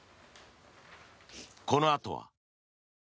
このあとは。